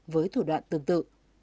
với thủ đoạn tương tự